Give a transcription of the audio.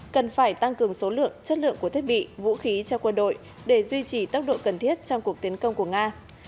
cần phải tăng cường số lượng chất lượng của thiết bị vũ khí cho quân đội để duy trì tốc độ cần thiết trong cuộc tiến công của nga